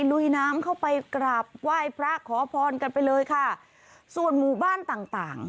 ลุยน้ำเข้าไปกราบไหว้พระขอพรกันไปเลยค่ะส่วนหมู่บ้านต่างต่าง